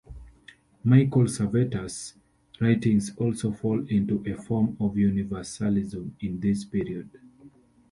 Michael Servetus' writings also fall into a form of universalism in this period.